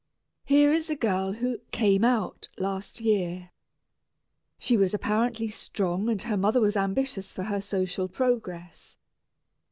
Here is a girl who "came out" last year. She was apparently strong and her mother was ambitious for her social progress.